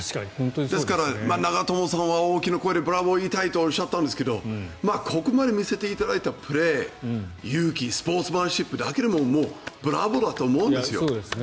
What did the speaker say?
ですから、長友さんは大きな声でブラボーと言いたいとおっしゃったんですけどここまで見せていただいたプレー、勇気スポーツマンシップだけでもブラボーだと思うんですよ。